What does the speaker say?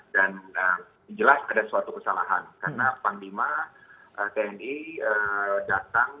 dan jelas ada suatu kesalahan karena panglima tni datang